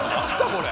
これ。